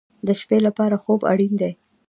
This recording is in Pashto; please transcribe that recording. د شپې لپاره خوب اړین دی